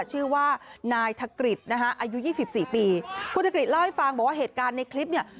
ชื่อว่านายทะกริจนะคะอายุยี่สิบสี่ปีคุณทกฤษเล่าให้ฟังบอกว่าเหตุการณ์ในคลิปเนี่ย